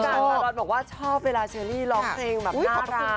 มารอนบอกว่าชอบเวลาเชอรี่ร้องเพลงแบบน่ารัก